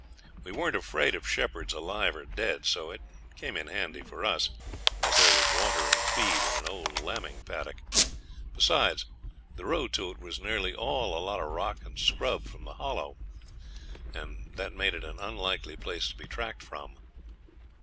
We weren't afraid of shepherds alive or dead, so it came in handy for us, as there was water and feed in an old lambing paddock. Besides, the road to it was nearly all a lot of rock and scrub from the Hollow, that made it an unlikely place to be tracked from.